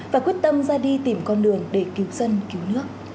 và quyết tâm ra đi tìm con đường để cứu dân cứu nước